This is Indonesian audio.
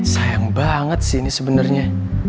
sayang banget sih ini sebenarnya